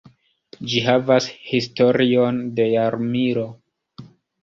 Ĝi havas historion de jarmilo.